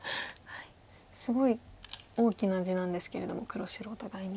すごい大きな地なんですけれども黒白お互いに。